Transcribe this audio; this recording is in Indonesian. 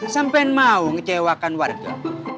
sampen mau ngecewakan warga